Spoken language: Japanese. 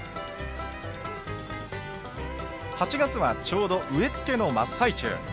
８月はちょうど植え付けの真っ最中。